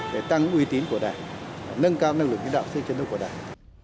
để tăng uy tín của đảng nâng cao năng lượng kinh tạo xây dựng trình hướng của đảng